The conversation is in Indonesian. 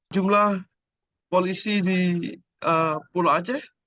jumlah polisi di pulau aceh